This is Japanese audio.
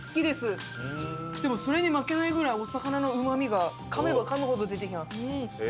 でもそれに負けないぐらいお魚のうまみがかめばかむほど出てきます。